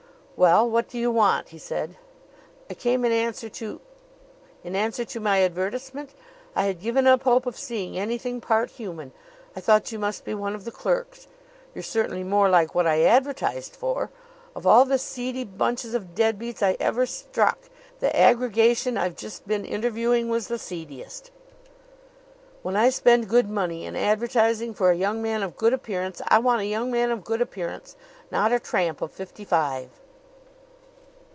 "Well, what do you want?" he said. "I came in answer to " "In answer to my advertisement? I had given up hope of seeing anything part human. I thought you must be one of the clerks. You're certainly more like what I advertised for. Of all the seedy bunches of dead beats I ever struck, the aggregation I've just been interviewing was the seediest! When I spend good money in advertising for a young man of good appearance, I want a young man of good appearance not a tramp of fifty five."